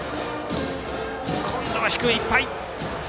今度は低めいっぱい。